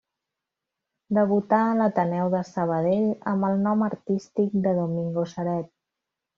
Debutà a l'Ateneu de Sabadell amb el nom artístic de Domingo Ceret.